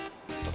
bah kemana neng